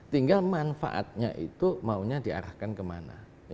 tinggal manfaatnya itu maunya diarahkan kemana